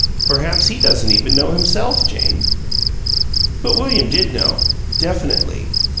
Perhaps he doesn't even know, himself, Jane." But William did know, definitely.